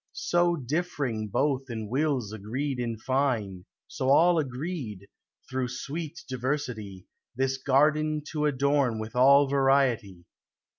113 So diff'ring both in willes agreed in line : So all agreed, through sweete diversity, This gardin to adorne with all variety.